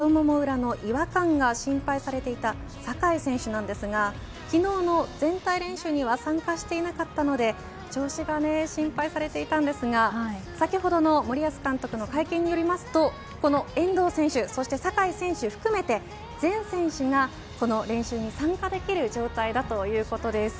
右膝の痛みを訴えていた遠藤選手そして左太もも裏の違和感が心配されていた酒井選手なんですが昨日の全体練習には参加していなかったので調子がね心配されていたんですが先ほどの森保監督の会見によりますとこの遠藤選手そして酒井選手含めて全選手がこの練習に参加できる状態だということです。